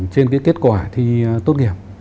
trên cái kết quả thi tốt nghiệp